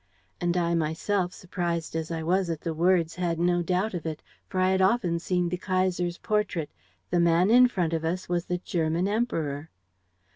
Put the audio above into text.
And I myself, surprised as I was at the words, had not a doubt of it, for I had often seen the Kaiser's portrait; the man in front of us was the German Emperor."